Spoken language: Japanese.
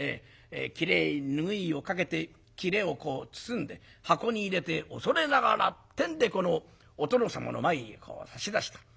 きれいに拭いをかけてきれをこう包んで箱に入れて「恐れながら」ってんでこのお殿様の前へ差し出した。